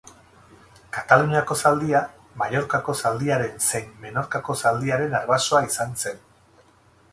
Kataluniako zaldia Mallorcako zaldiaren zein Menorcako zaldiaren arbasoa izan zen.